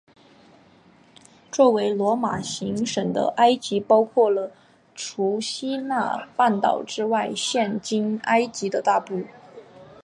作为罗马行省的埃及包括了除西奈半岛之外现今埃及的大部。